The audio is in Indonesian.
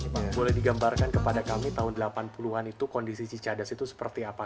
boleh digambarkan kepada kami tahun delapan puluh an itu kondisi cicadas itu seperti apa